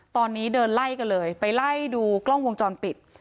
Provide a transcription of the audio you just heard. ตอนนี้เดินไล่กันเลยไปไล่ดูกล้องวงจรปิด